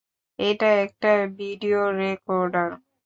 এটা একটা video recorder.